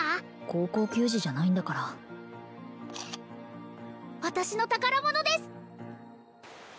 高校球児じゃないんだから私の宝物です